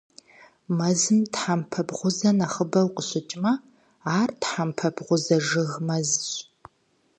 Мэзым тхьэмпэ бгъузэ нэхъыбэу къыщыкӀмэ - ар тхьэмпэ бгъузэ жыг мэзщ.